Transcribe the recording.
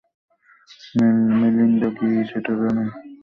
Melinda কি সেটা জানে?